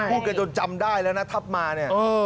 พูดกันจนจำได้แล้วนะทัพมาเนี่ย